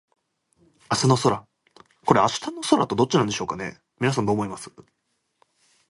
明日の空